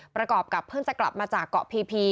ประกอบกับเพิ่งจะกลับมาจากเกาะพีพี